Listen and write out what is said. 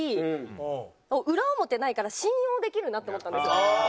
裏表ないから信用できるなって思ったんですよ。